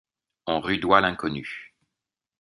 On rudoie l’inconnu.